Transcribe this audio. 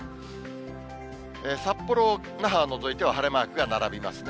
札幌、那覇を除いては晴れマークが並びますね。